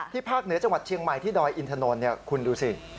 ภาคเหนือจังหวัดเชียงใหม่ที่ดอยอินทนนท์คุณดูสิ